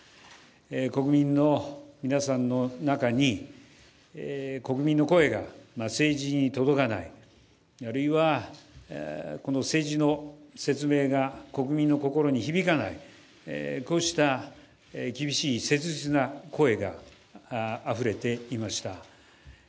国民の皆さんの中に、国民の声が政治に届かない、あるいはこの政治の説明が国民の心に響かないこうした厳しい切実な声があふれていました。